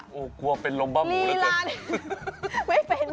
โอ้โฮกลัวเป็นลมบ้าหมูเหลือเกิน